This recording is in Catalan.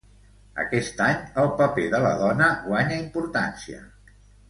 Aquest any el paper de la dona guanya importància.